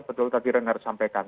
betul tadi renard sampaikan